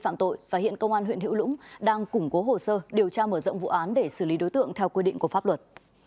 nguyễn hồng nhung đang củng cố hồ sơ điều tra mở rộng vụ án để xử lý đối tượng theo quy định của pháp luật